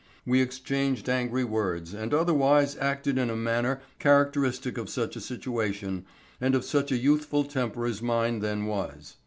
We exchanged angry words and otherwise acted in a manner characteristic of such a situation and of such a youthful temper as mine then was.